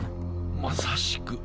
まさしく。